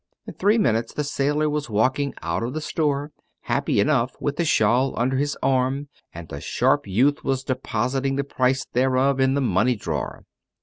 In three minutes the sailor was walking out of the store, happy enough, with the shawl under his arm, and the sharp youth was depositing the price thereof in the money drawer.